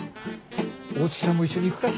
大月さんも一緒に行くか？